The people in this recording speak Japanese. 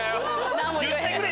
言ってくれ。